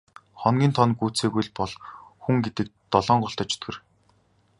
Хоногийн тоо нь гүйцээгүй л бол хүн гэдэг долоон голтой чөтгөр.